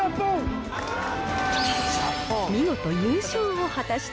見事優勝を果たした。